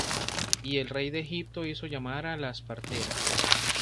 Y el rey de Egipto hizo llamar á las parteras.